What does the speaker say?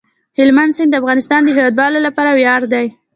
هلمند سیند د افغانستان د هیوادوالو لپاره ویاړ دی.